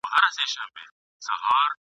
غر که هر څونده لور وي، خو پر سر لار لري ..